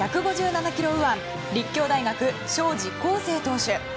１５７キロ右腕立教大学、荘司康誠投手。